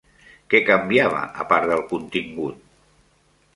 Què canviava a part del contingut?